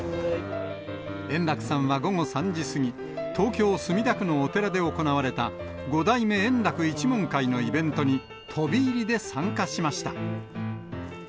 円楽さんは午後３時過ぎ、東京・墨田区のお寺で行われた、五代目円楽一門会のイベントに、飛び入りで参加しました。